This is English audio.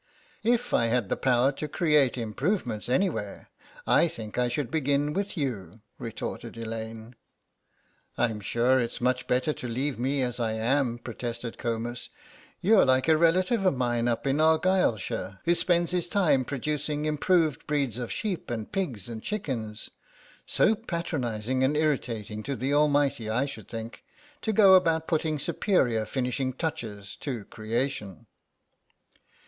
"If I had the power to create improvements anywhere I think I should begin with you," retorted Elaine. "I'm sure it's much better to leave me as I am," protested Comus; "you're like a relative of mine up in Argyllshire, who spends his time producing improved breeds of sheep and pigs and chickens. So patronising and irritating to the Almighty I should think, to go about putting superior finishing touches to Creation."